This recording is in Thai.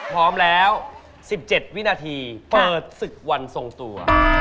พร้อมแล้ว๑๗วินาทีเปิดศึกวันทรงตัว